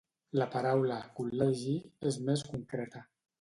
La paraula 'col·legi'és més concreta.